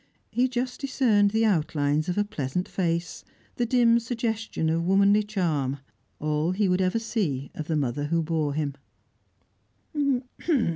He just discerned the outlines of a pleasant face, the dim suggestion of womanly charm all he would ever see of the mother who bore him.